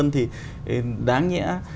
thì đáng nhẽ